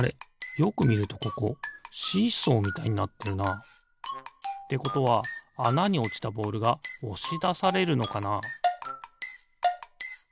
よくみるとここシーソーみたいになってるな。ってことはあなにおちたボールがおしだされるのかな？